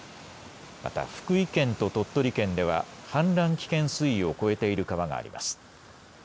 また福井県と鳥取県では氾濫危険水位を超えている川があります。